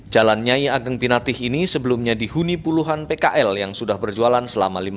jalan nyai ageng pinatih ini sebelumnya dihuni puluhan pkl yang sudah berjualan selama